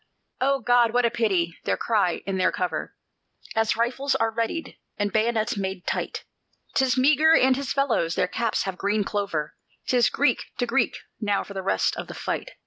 "O God! what a pity!" they cry in their cover, As rifles are readied and bayonets made tight; "'Tis Meagher and his fellows! their caps have green clover; 'Tis Greek to Greek now for the rest of the fight!"